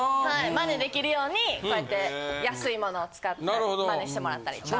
真似できるようにこうやって安いものを使ったり真似してもらったりとか。